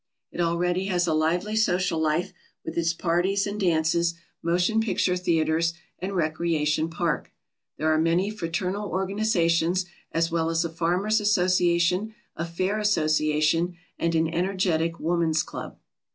It already has a lively social life, with its parties and dances, motion picture theatres, and recrea tion park. There are many fraternal organizations as well as a Farmers' Association, a Fair Association, and an energetic Woman's Club.